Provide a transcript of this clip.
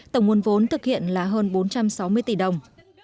tổng nguồn vốn thực hiện là hơn bốn trăm sáu mươi tỷ đồng